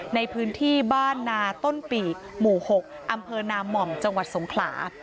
ในพื้นที่บ้านนาต้นปีกหมู่๖อำเภอนาม่อมจังหวัดสงขลา